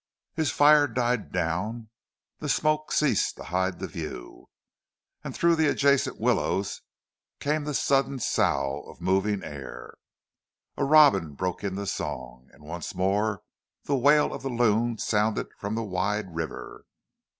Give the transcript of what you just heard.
His fire died down, the smoke ceased to hide the view, and through the adjacent willows came the sudden sough of moving air. A robin broke into song, and once more the wail of the loon sounded from the wide river.